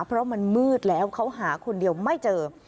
เพราะมันมืดแล้วเขาหาคนเดียวไม่เจอ